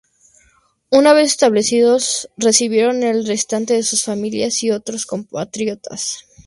Una vez establecidos, recibieron el restante de sus familias y otros compatriotas.